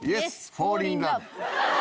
フォーリンラブ！